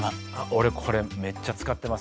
俺これめっちゃ使ってます。